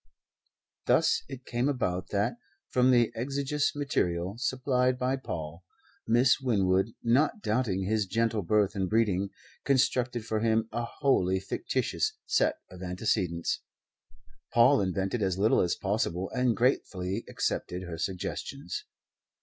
Thus it came about that, from the exiguous material supplied by Paul, Miss Winwood, not doubting his gentle birth and breeding, constructed for him a wholly fictitious set of antecedents. Paul invented as little as possible and gratefully accepted her suggestions.